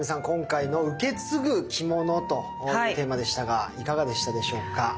今回の「受け継ぐ着物」というテーマでしたがいかがでしたでしょうか？